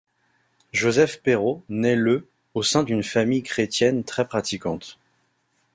Joseph Perrot naît le au sein d'une famille chrétienne très pratiquante.